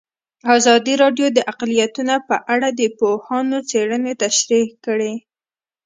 ازادي راډیو د اقلیتونه په اړه د پوهانو څېړنې تشریح کړې.